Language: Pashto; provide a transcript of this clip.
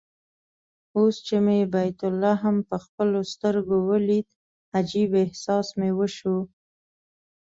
اوس چې مې بیت لحم په خپلو سترګو ولید عجيب احساس مې وشو.